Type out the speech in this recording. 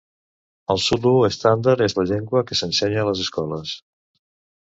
El zulu estàndard és la llengua que s'ensenya a les escoles.